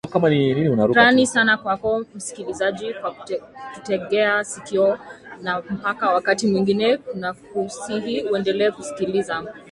rani sana kwako msikilizaji kwa kututegea sikio na mpaka wakati mwengine kunakusihi uendelee kusikiliza